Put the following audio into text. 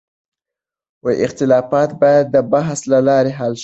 اختلافات باید د بحث له لارې حل شي.